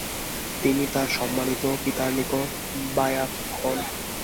তিনি তার সম্মানিত পিতার নিকট 'বাইআত' হন ।